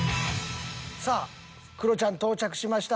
さあクロちゃん到着しました。